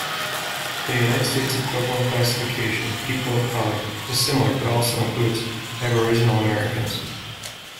The United States' equivalent classification-"people of color"-is similar, but also includes Aboriginal Americans.